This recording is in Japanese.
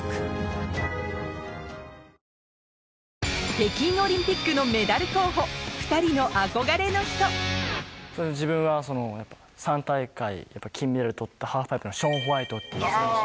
北京オリンピックのメダル候補２人の自分は３大会金メダル取ったハーフパイプのショーン・ホワイトっていう選手。